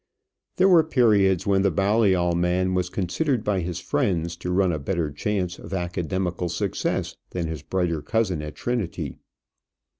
There were periods when the Balliol man was considered by his friends to run a better chance of academical success than his brighter cousin at Trinity.